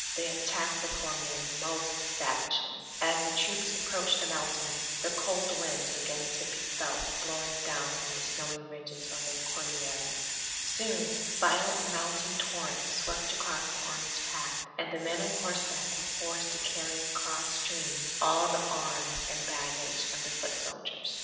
They attacked the poor men most savagely. As the troops approached the mountains, the cold winds began to be felt blowing down from the snowy ridges of the Cordilleras. Soon, violent mountain torrents swept across the Army's path; and the men on horseback were forced to carry across stream all the arms and baggage of the foot soldiers.